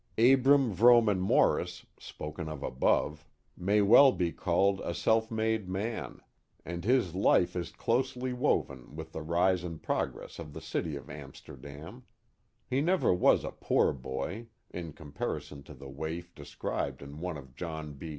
Abram Vrooman Morris, spoken of above, may well be In the Old Town of Amsterdam 171 called a self made man, and his life is closely woven with the rise and progress of the city of Amsterdam. He never was a poor boy, in comparison to the waif described in one of John B.